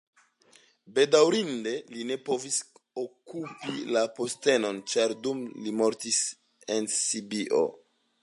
Bedaŭrinde li ne povis okupi la postenon, ĉar dume li mortis en Sibio.